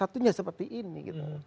sebenarnya itu seperti ini